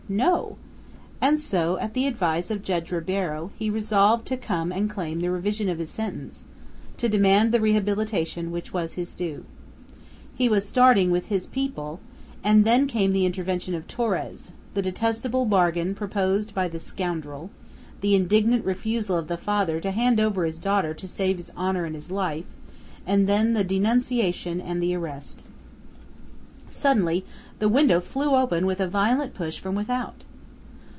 No! And so at the advice of Judge Ribeiro he resolved to come and claim the revision of his sentence, to demand the rehabilitation which was his due! He was starting with his people, and then came the intervention of Torres, the detestable bargain proposed by the scoundrel, the indignant refusal of the father to hand over his daughter to save his honor and his life, and then the denunciation and the arrest! Suddenly the window flew open with a violent push from without.